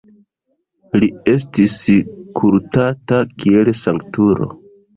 Li estis kultata kiel sanktulo.